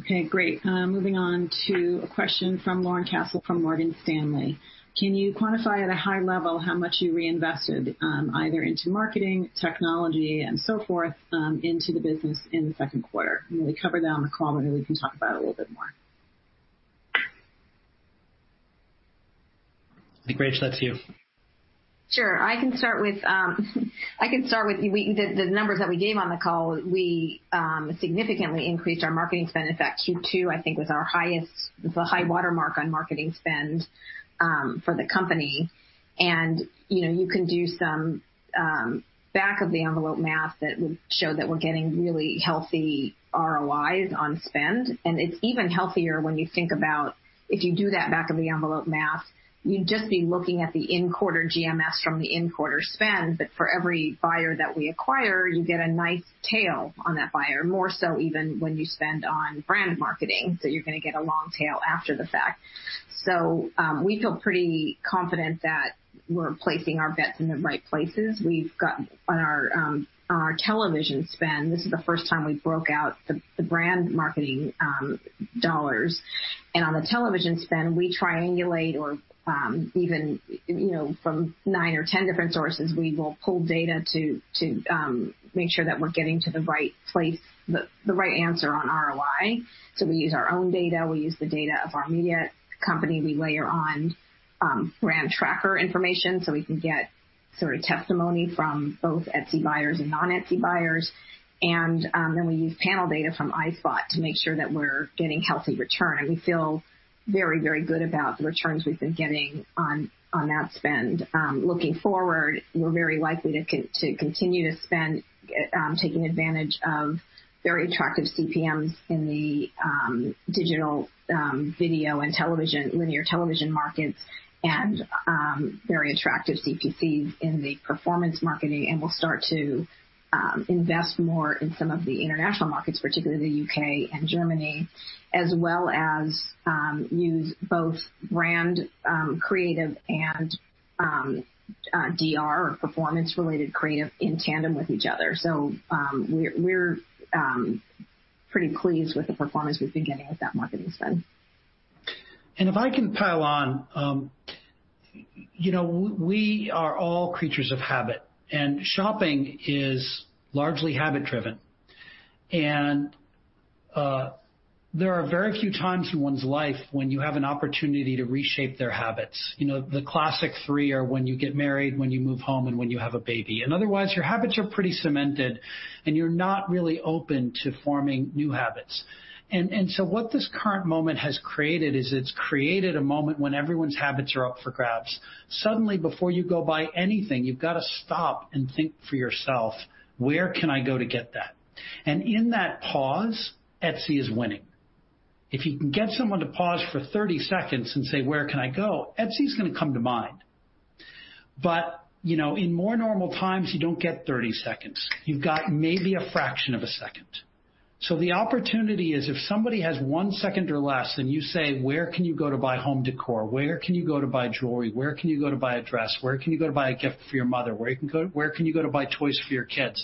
Speaker 1: Okay, great. Moving on to a question from Lauren Cassel from Morgan Stanley. Can you quantify at a high level how much you reinvested, either into marketing, technology, and so forth, into the business in the second quarter? I know we covered that on the call, but I know we can talk about it a little bit more.
Speaker 2: I think, Rachel, that's you.
Speaker 3: Sure. I can start with the numbers that we gave on the call. We significantly increased our marketing spend. Q2, I think, was our highest, the high water mark on marketing spend for the company. You can do some back of the envelope math that would show that we're getting really healthy ROIs on spend. It's even healthier when you think about, if you do that back of the envelope math, you'd just be looking at the in-quarter GMS from the in-quarter spend. For every buyer that we acquire, you get a nice tail on that buyer. More so even when you spend on brand marketing. You're going to get a long tail after the fact. We feel pretty confident that we're placing our bets in the right places. On our television spend, this is the first time we broke out the brand marketing dollars. On the television spend, we triangulate or even from 10 different sources, we will pull data to make sure that we're getting to the right answer on ROI. We use our own data. We use the data of our media company. We layer on brand tracker information, so we can get sort of testimony from both Etsy buyers and non-Etsy buyers. Then we use panel data from iSpot.tv to make sure that we're getting healthy return. We feel very, very good about the returns we've been getting on that spend. Looking forward, we're very likely to continue to spend, taking advantage of very attractive CPMs in the digital video and linear television markets, and very attractive CPCs in the performance marketing. We'll start to invest more in some of the international markets, particularly the U.K. and Germany. As well as use both brand creative and DR or performance-related creative in tandem with each other. We're pretty pleased with the performance we've been getting with that marketing spend.
Speaker 2: If I can pile on. We are all creatures of habit, and shopping is largely habit-driven. There are very few times in one's life when you have an opportunity to reshape their habits. The classic three are when you get married, when you move home, and when you have a baby. Otherwise, your habits are pretty cemented, and you're not really open to forming new habits. What this current moment has created is it's created a moment when everyone's habits are up for grabs. Suddenly, before you go buy anything, you've got to stop and think for yourself, "Where can I go to get that?" In that pause, Etsy is winning. If you can get someone to pause for 30 seconds and say, "Where can I go?" Etsy's going to come to mind. In more normal times, you don't get 30 seconds. You've got maybe a fraction of a second. The opportunity is if somebody has one second or less and you say, "Where can you go to buy home decor? Where can you go to buy jewelry? Where can you go to buy a dress? Where can you go to buy a gift for your mother? Where can you go to buy toys for your kids?"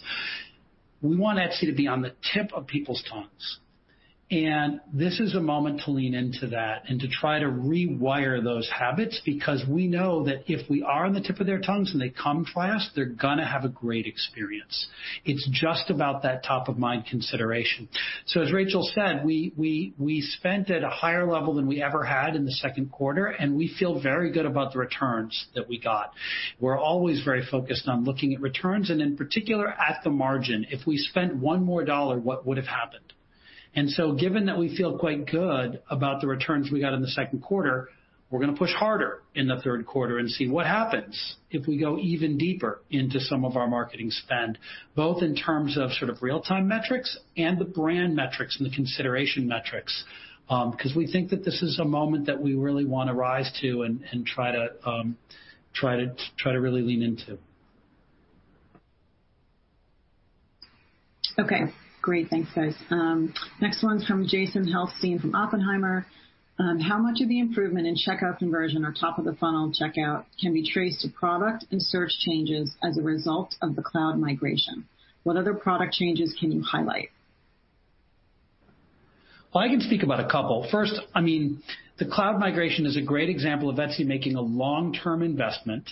Speaker 2: We want Etsy to be on the tip of people's tongues. This is a moment to lean into that and to try to rewire those habits because we know that if we are on the tip of their tongues and they come to us, they're going to have a great experience. It's just about that top-of-mind consideration. As Rachel said, we spent at a higher level than we ever had in the second quarter, and we feel very good about the returns that we got. We're always very focused on looking at returns, and in particular, at the margin. If we spent $1 more, what would have happened? Given that we feel quite good about the returns we got in the second quarter, we're going to push harder in the third quarter and see what happens if we go even deeper into some of our marketing spend, both in terms of sort of real-time metrics and the brand metrics and the consideration metrics. We think that this is a moment that we really want to rise to and try to really lean into.
Speaker 1: Okay, great. Thanks, guys. Next one's from Jason Helfstein from Oppenheimer. How much of the improvement in checkout conversion or top of the funnel checkout can be traced to product and search changes as a result of the cloud migration? What other product changes can you highlight?
Speaker 2: I can speak about a couple. First, the cloud migration is a great example of Etsy making a long-term investment.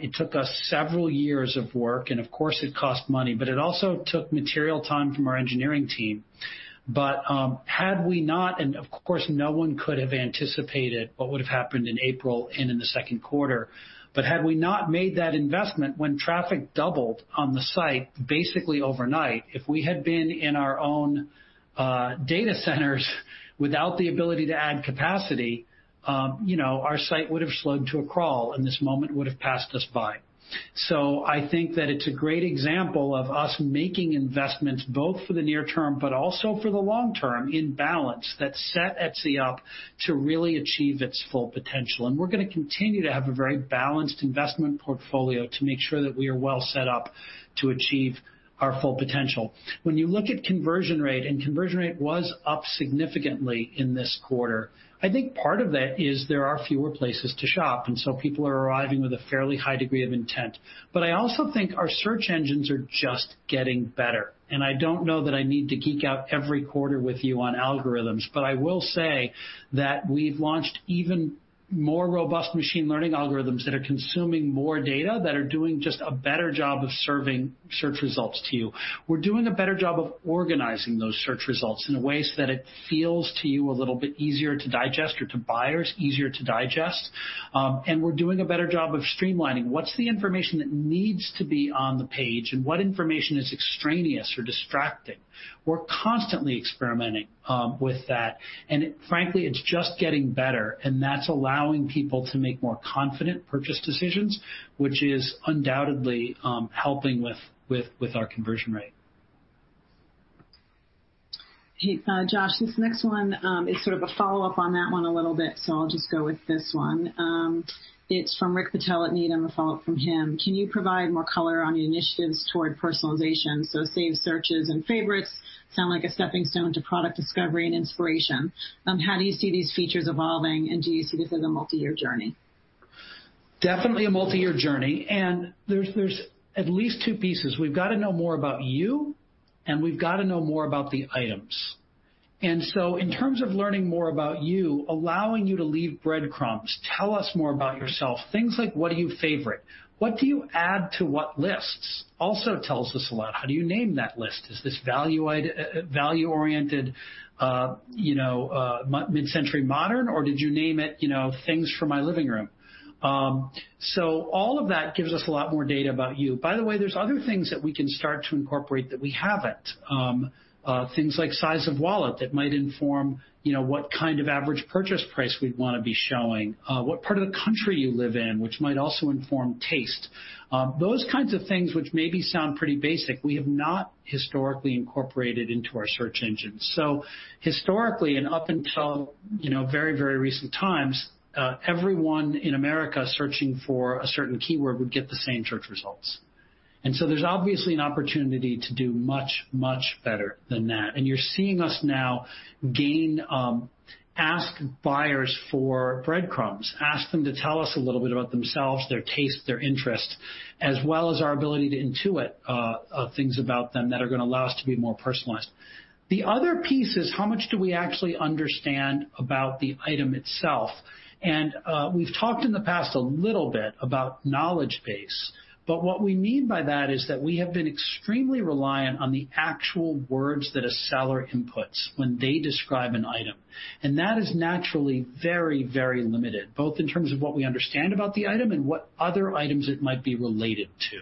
Speaker 2: It took us several years of work, and of course, it cost money. It also took material time from our engineering team. Of course, no one could have anticipated what would have happened in April and in the second quarter. Had we not made that investment when traffic doubled on the site basically overnight, if we had been in our own data centers without the ability to add capacity, our site would have slowed to a crawl, and this moment would have passed us by. I think that it's a great example of us making investments both for the near term, but also for the long term in balance, that set Etsy up to really achieve its full potential. We're going to continue to have a very balanced investment portfolio to make sure that we are well set up to achieve our full potential. When you look at conversion rate, and conversion rate was up significantly in this quarter, I think part of that is there are fewer places to shop, and so people are arriving with a fairly high degree of intent. I also think our search engines are getting better. I don't know that I need to geek out every quarter with you on algorithms, but I will say that we've launched even more robust machine learning algorithms that are consuming more data, that are doing just a better job of serving search results to you. We're doing a better job of organizing those search results in a way so that it feels to you a little bit easier to digest or to buyers easier to digest. We're doing a better job of streamlining what's the information that needs to be on the page and what information is extraneous or distracting. We're constantly experimenting with that, and frankly, it's just getting better, and that's allowing people to make more confident purchase decisions, which is undoubtedly helping with our conversion rate.
Speaker 1: Hey, Josh, this next one is sort of a follow-up on that one a little bit, so I'll just go with this one. It's from Rick Patel at Needham, a follow-up from him. Can you provide more color on your initiatives toward personalization? Saved searches and favorites sound like a stepping stone to product discovery and inspiration. How do you see these features evolving, and do you see this as a multi-year journey?
Speaker 2: Definitely a multi-year journey. There's at least 2 pieces. We've got to know more about you. We've got to know more about the items. In terms of learning more about you, allowing you to leave breadcrumbs, tell us more about yourself, things like, what do you favorite? What do you add to what lists also tells us a lot. How do you name that list? Is this value-oriented mid-century modern, or did you name it Things for My Living Room? All of that gives us a lot more data about you. By the way, there's other things that we can start to incorporate that we haven't. Things like size of wallet that might inform what kind of average purchase price we'd want to be showing, what part of the country you live in, which might also inform taste. Those kinds of things, which maybe sound pretty basic, we have not historically incorporated into our search engine. Historically, and up until very recent times, everyone in America searching for a certain keyword would get the same search results. There's obviously an opportunity to do much, much better than that. You're seeing us now ask buyers for breadcrumbs, ask them to tell us a little bit about themselves, their taste, their interest, as well as our ability to intuit things about them that are going to allow us to be more personalized. The other piece is how much do we actually understand about the item itself? We've talked in the past a little bit about knowledge base, but what we mean by that is that we have been extremely reliant on the actual words that a seller inputs when they describe an item. That is naturally very limited, both in terms of what we understand about the item and what other items it might be related to.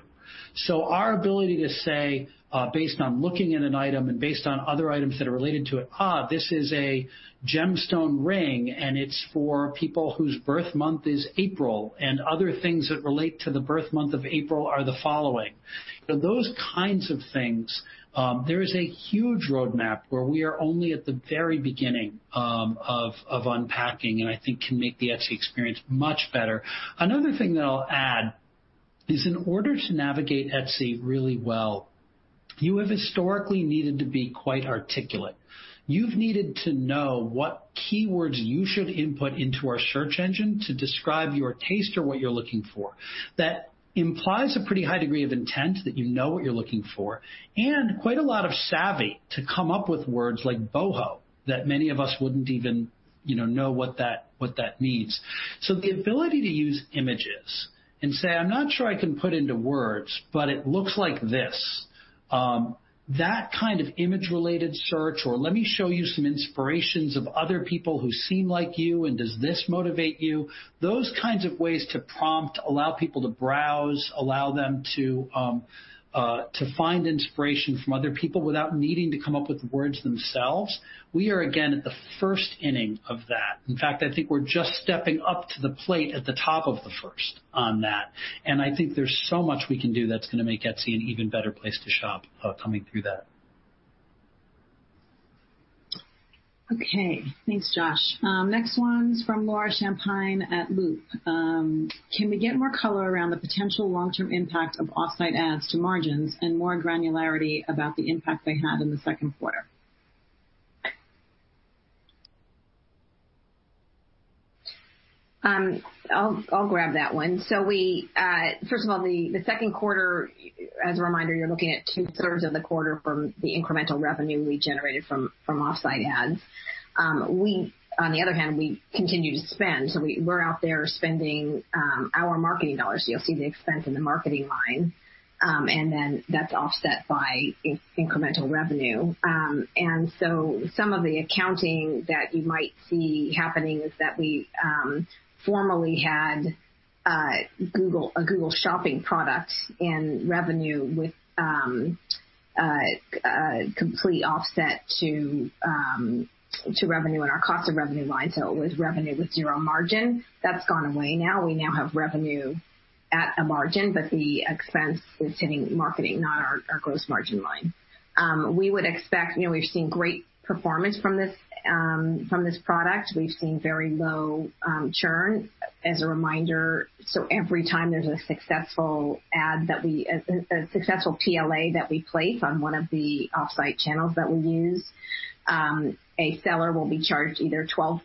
Speaker 2: Our ability to say, based on looking at an item and based on other items that are related to it, "This is a gemstone ring, and it's for people whose birth month is April, and other things that relate to the birth month of April are the following." Those kinds of things, there is a huge roadmap where we are only at the very beginning of unpacking, and I think can make the Etsy experience much better. Another thing that I'll add is in order to navigate Etsy really well, you have historically needed to be quite articulate. You've needed to know what keywords you should input into our search engine to describe your taste or what you're looking for. That implies a pretty high degree of intent that you know what you're looking for, and quite a lot of savvy to come up with words like boho that many of us wouldn't even know what that means. The ability to use images and say, "I'm not sure I can put into words, but it looks like this." That kind of image-related search or let me show you some inspirations of other people who seem like you, and does this motivate you? Those kinds of ways to prompt, allow people to browse, allow them to find inspiration from other people without needing to come up with the words themselves. We are, again, at the first inning of that. In fact, I think we're just stepping up to the plate at the top of the first on that. I think there's so much we can do that's going to make Etsy an even better place to shop coming through that.
Speaker 1: Okay. Thanks, Josh. Next one's from Laura Champine at Loop. Can we get more color around the potential long-term impact of Offsite Ads to margins and more granularity about the impact they had in the second quarter?
Speaker 3: I'll grab that one. The second quarter, as a reminder, you're looking at two-thirds of the quarter from the incremental revenue we generated from Offsite Ads. We continue to spend. We're out there spending our marketing dollars. You'll see the expense in the marketing line, that's offset by incremental revenue. Some of the accounting that you might see happening is that we formerly had a Google Shopping product and revenue with complete offset to revenue in our cost of revenue line, it was revenue with zero margin. That's gone away now. We now have revenue at a margin, the expense is hitting marketing, not our gross margin line. We've seen great performance from this product. We've seen very low churn as a reminder, so every time there's a successful PLA that we place on one of the off-site channels that we use, a seller will be charged either 12%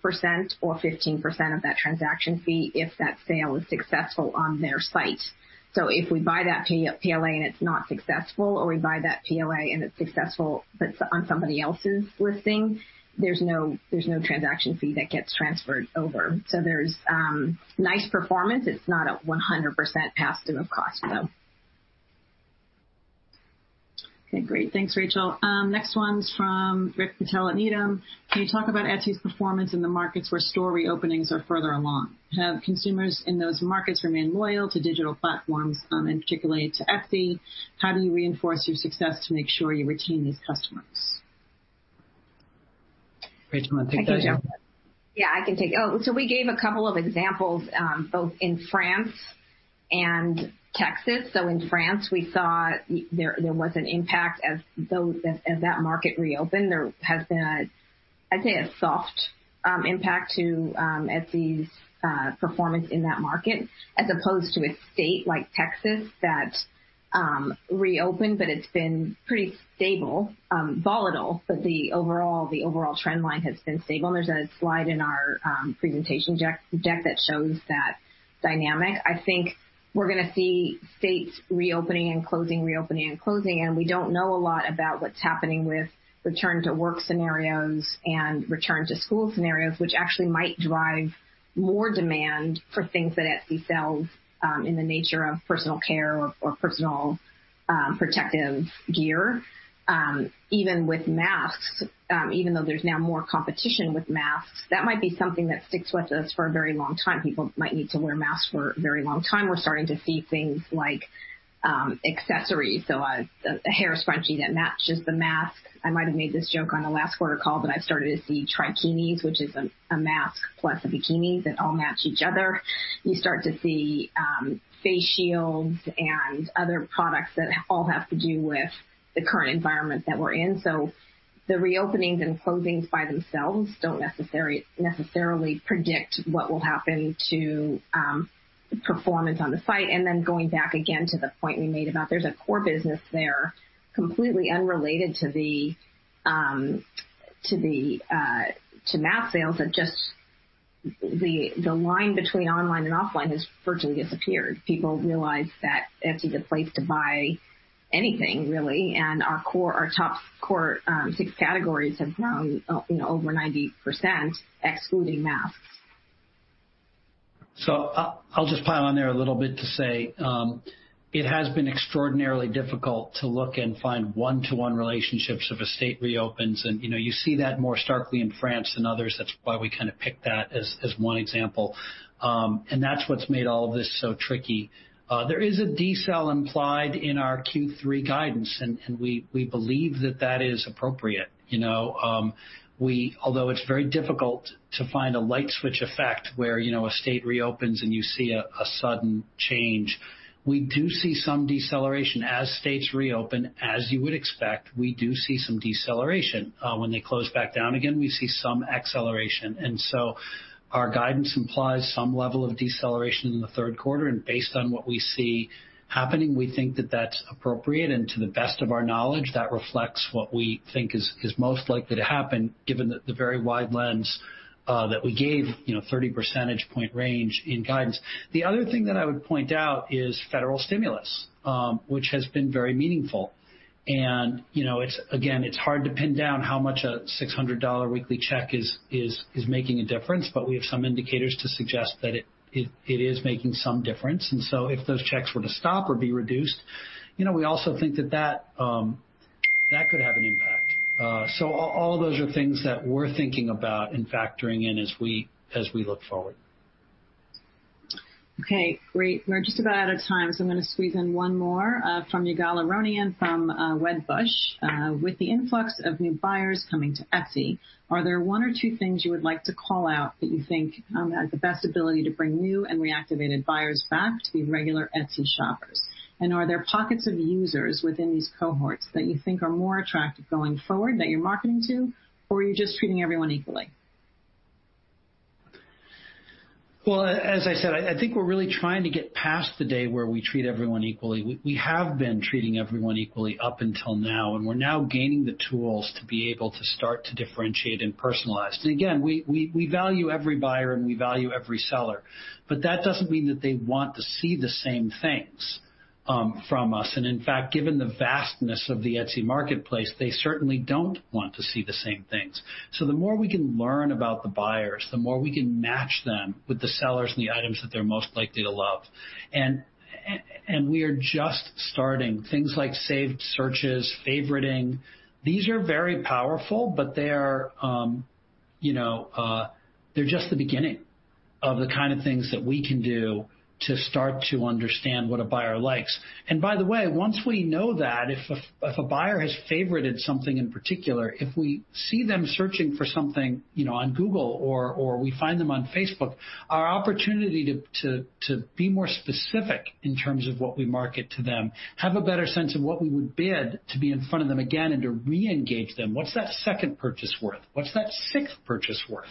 Speaker 3: or 15% of that transaction fee if that sale is successful on their site. If we buy that PLA and it's not successful, or we buy that PLA and it's successful, but it's on somebody else's listing, there's no transaction fee that gets transferred over. There's nice performance. It's not a 100% pass-through of cost, though.
Speaker 1: Okay, great. Thanks, Rachel. Next one's from Rick Patel at Needham. Can you talk about Etsy's performance in the markets where store reopenings are further along? Have consumers in those markets remained loyal to digital platforms, and particularly to Etsy? How do you reinforce your success to make sure you retain these customers?
Speaker 2: Rachel, want to take that?
Speaker 3: Thank you, Josh. Yeah, I can take it. We gave a couple of examples, both in France and Texas. In France, we saw there was an impact as that market reopened. There has been, I'd say, a soft impact to Etsy's performance in that market, as opposed to a state like Texas that reopened, but it's been pretty stable, volatile, but the overall trend line has been stable. There's a slide in our presentation deck that shows that dynamic. I think we're going to see states reopening and closing, reopening and closing, and we don't know a lot about what's happening with return-to-work scenarios and return-to-school scenarios, which actually might drive more demand for things that Etsy sells in the nature of personal care or personal protective gear. Even with masks, even though there's now more competition with masks, that might be something that sticks with us for a very long time. People might need to wear masks for a very long time. We're starting to see things like accessories, so a hair scrunchie that matches the mask. I might have made this joke on a last quarter call, but I've started to see trikinis, which is a mask plus a bikini that all match each other. You start to see face shields and other products that all have to do with the current environment that we're in. The reopenings and closings by themselves don't necessarily predict what will happen to performance on the site. Going back again to the point we made about there's a core business there completely unrelated to mask sales that just the line between online and offline has virtually disappeared. People realize that Etsy's a place to buy anything, really, and our top core six categories have grown over 90%, excluding masks.
Speaker 2: I'll just pile on there a little bit to say it has been extraordinarily difficult to look and find one-to-one relationships if a state reopens, and you see that more starkly in France than others. That's why we kind of picked that as one example, and that's what's made all of this so tricky. There is a decel implied in our Q3 guidance, and we believe that that is appropriate. Although it's very difficult to find a light switch effect where a state reopens and you see a sudden change, we do see some deceleration. As states reopen, as you would expect, we do see some deceleration. When they close back down again, we see some acceleration. Our guidance implies some level of deceleration in the third quarter. Based on what we see happening, we think that that's appropriate. To the best of our knowledge, that reflects what we think is most likely to happen given the very wide lens that we gave, 30 percentage point range in guidance. The other thing that I would point out is federal stimulus, which has been very meaningful. Again, it's hard to pin down how much a $600 weekly check is making a difference, but we have some indicators to suggest that it is making some difference. If those checks were to stop or be reduced, we also think that that could have an impact. All those are things that we're thinking about and factoring in as we look forward.
Speaker 1: Okay, great. We're just about out of time, so I'm going to squeeze in one more from Ygal Arounian from Wedbush. With the influx of new buyers coming to Etsy, are there one or two things you would like to call out that you think have the best ability to bring new and reactivated buyers back to be regular Etsy shoppers? Are there pockets of users within these cohorts that you think are more attractive going forward that you're marketing to, or are you just treating everyone equally?
Speaker 2: Well, as I said, I think we're really trying to get past the day where we treat everyone equally. We have been treating everyone equally up until now, and we're now gaining the tools to be able to start to differentiate and personalize. Again, we value every buyer, and we value every seller, but that doesn't mean that they want to see the same things from us. In fact, given the vastness of the Etsy marketplace, they certainly don't want to see the same things. The more we can learn about the buyers, the more we can match them with the sellers and the items that they're most likely to love. We are just starting. Things like saved searches, favoriting, these are very powerful, but they're just the beginning of the kind of things that we can do to start to understand what a buyer likes. By the way, once we know that, if a buyer has favorited something in particular, if we see them searching for something on Google or we find them on Facebook, our opportunity to be more specific in terms of what we market to them, have a better sense of what we would bid to be in front of them again and to reengage them. What's that second purchase worth? What's that sixth purchase worth?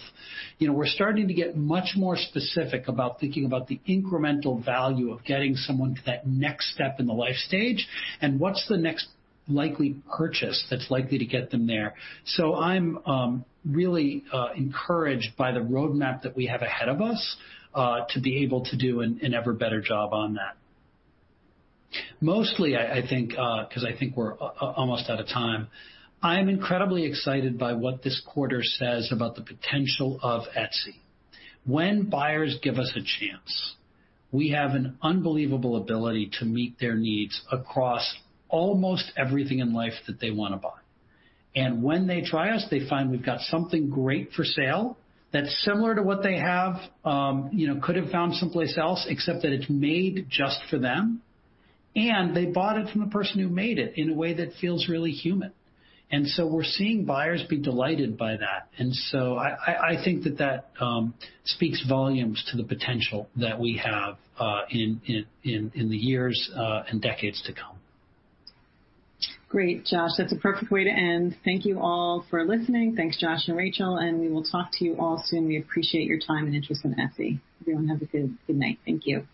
Speaker 2: We're starting to get much more specific about thinking about the incremental value of getting someone to that next step in the life stage, and what's the next likely purchase that's likely to get them there. I'm really encouraged by the roadmap that we have ahead of us to be able to do an ever better job on that. Mostly, because I think we're almost out of time, I'm incredibly excited by what this quarter says about the potential of Etsy. When buyers give us a chance, we have an unbelievable ability to meet their needs across almost everything in life that they want to buy. When they try us, they find we've got something great for sale that's similar to what they have, could've found someplace else, except that it's made just for them, and they bought it from the person who made it in a way that feels really human. We're seeing buyers be delighted by that. I think that that speaks volumes to the potential that we have in the years and decades to come.
Speaker 1: Great, Josh. That's a perfect way to end. Thank you all for listening. Thanks, Josh and Rachel, and we will talk to you all soon. We appreciate your time and interest in Etsy. Everyone have a good night. Thank you.